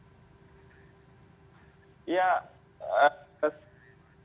bagaimana anda melihat ya bang ali mohtar ngabalin